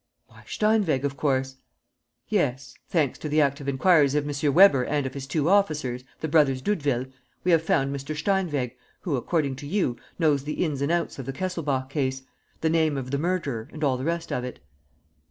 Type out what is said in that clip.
"Why, Steinweg, of course! ..." "Yes, thanks to the active inquiries of M. Weber and of his two officers, the brothers Doudeville, we have found Mr. Steinweg, who, according to you, knows the ins and outs of the Kesselbach case, the name of the murderer and all the rest of it."